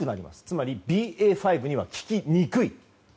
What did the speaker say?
つまりＢＡ．５には効きにくい。